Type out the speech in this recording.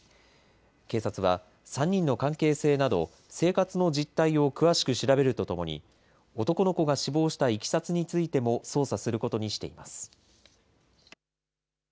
警察は、３人の関係性など、生活の実態を詳しく調べるとともに、男の子が死亡したいきさつについても捜査することにしています。